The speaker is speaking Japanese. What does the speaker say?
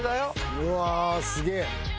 うわすげえ。